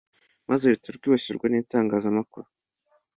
maze ruhita rwibasirwa n'itangazamakuru